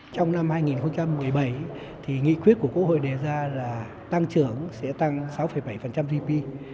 trong năm hai nghìn một mươi bảy thì nghị quyết của quốc hội đề ra là tăng trưởng sẽ tăng sáu bảy gdp